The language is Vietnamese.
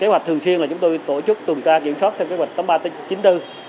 kế hoạch thường xuyên là chúng tôi tổ chức tuần tra kiểm soát theo kế hoạch tám ba chín bốn